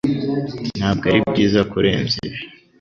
Ntabwo aribyiza kurenza ibi